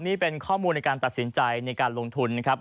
นี่เป็นข้อมูลในการตัดสินใจในการลงทุนนะครับ